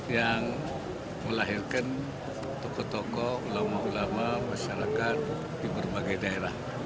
yang melahirkan tokoh tokoh ulama ulama masyarakat di berbagai daerah